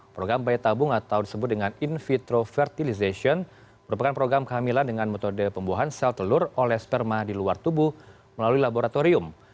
program bayi tabung atau disebut dengan in vitro fertilization merupakan program kehamilan dengan metode pembuahan sel telur oleh sperma di luar tubuh melalui laboratorium